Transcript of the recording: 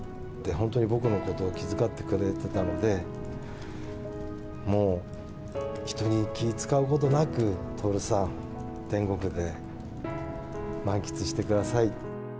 本当に僕のことを気遣ってくれてたので、もう人に気遣うことなく、徹さん、天国で満喫してください。